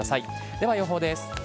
では予報です。